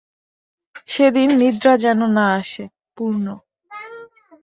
সেদিন নিদ্রা যেন না আসে– পূর্ণ।